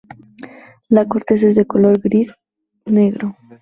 La corteza es de color gris-negro.